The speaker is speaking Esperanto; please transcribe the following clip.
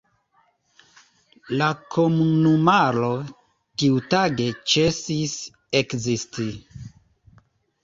La komunumaro tiutage ĉesis ekzisti.